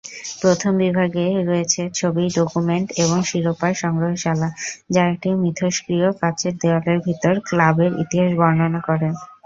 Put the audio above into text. প্রথম বিভাগে রয়েছে ছবি, ডকুমেন্ট এবং শিরোপার সংগ্রহশালা, যা একটি মিথষ্ক্রিয় কাচের দেওয়ালের ভেতর ক্লাবের ইতিহাস বর্ণনা করে।